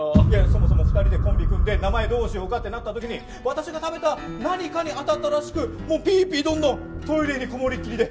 そもそも２人でコンビ組んで名前どうしようかってなった時に私が食べた何かにあたったらしくもうピーピードンドントイレにこもりっきりで。